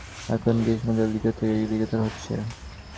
এখন গ্রীষ্মকাল দীর্ঘ থেকে দীর্ঘতর হচ্ছে।